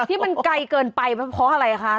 ที่มันไกลเกินไปเพราะอะไรคะ